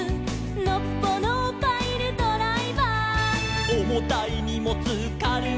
「のっぽのパイルドライバー」「おもたいにもつかるがるあげる」